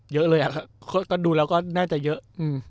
เยอะเลยครับก็ดูแล้วก็น่าจะเยอะ